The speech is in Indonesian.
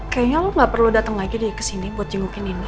kayaknya lo gak perlu datang lagi deh kesini buat jengukin ini